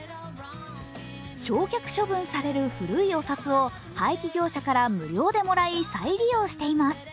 焼却処分される古いお札を廃棄業者から無料でもらい再利用しています。